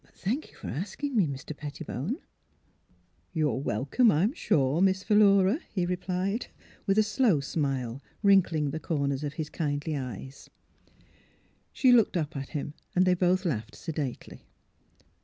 Thank you for asking me, Mr. Pettibone." '' You're welcome, I'm sure, Miss Philura," he replied, a slow smile wrinkling the corners of his kindly eyes. 2 THE HEAET OF PHILUEA She looked up at him, and they both laughed, sedately.